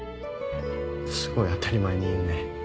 すごい当たり前に言うね。